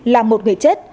là một người chết